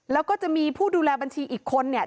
แล้วก็จะมีผู้ดูแลบัญชีอีกคนเนี่ย